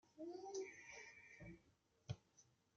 Estudio en el colegio de San Buenaventura, luego ingles y comercio.